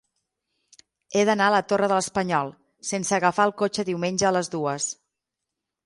He d'anar a la Torre de l'Espanyol sense agafar el cotxe diumenge a les dues.